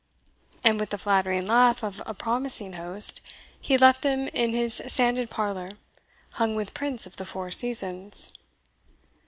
And with the flattering laugh of a promising host, he left them in his sanded parlour, hung with prints of the Four Seasons.